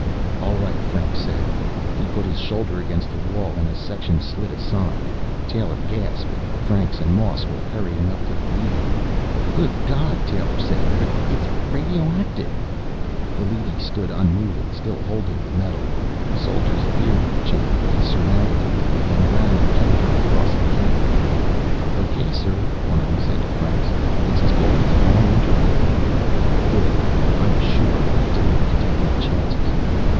"All right," Franks said. He put his shoulder against the wall and a section slid aside. Taylor gasped Franks and Moss were hurrying up to the leady! "Good God!" Taylor said. "But it's radioactive!" The leady stood unmoving, still holding the metal. Soldiers appeared in the chamber. They surrounded the leady and ran a counter across it carefully. "Okay, sir," one of them said to Franks. "It's as cold as a long winter evening." "Good. I was sure, but I didn't want to take any chances."